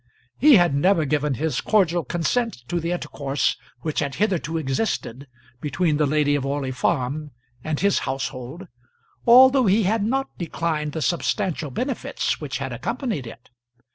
He had never given his cordial consent to the intercourse which had hitherto existed between the lady of Orley Farm and his household, although he had not declined the substantial benefits which had accompanied it.